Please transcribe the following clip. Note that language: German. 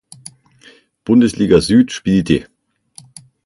Bundesliga Süd spielte.